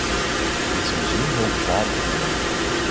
Dit zijn zeer lovenswaardige doelen.